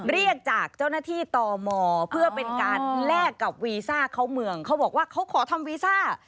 เรียกจากเจ้าหน้าที่ตมเพื่อเป็นการแลกกับวีซ่าเข้าเมืองเขาบอกว่าเขาขอทำวีซ่า